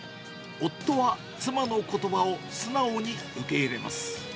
夫は妻のことばを素直に受け入れます。